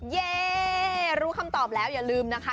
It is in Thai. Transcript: เย่รู้คำตอบแล้วอย่าลืมนะคะ